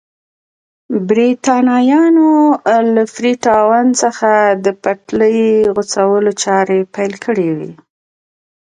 برېټانویانو له فري ټاون څخه د پټلۍ غځولو چارې پیل کړې وې.